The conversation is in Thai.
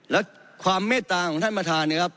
และความเมตตาของท่านประธานนะครับ